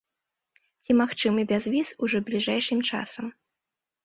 І ці магчымы бязвіз ужо бліжэйшым часам?